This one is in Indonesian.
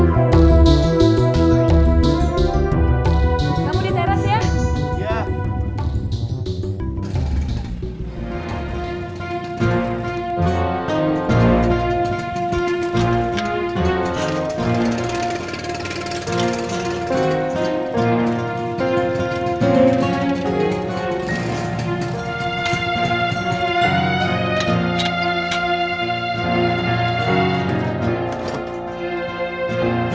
sebelum turun boleh kenalan gak